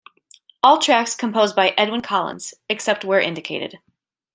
All tracks composed by Edwyn Collins, except where indicated.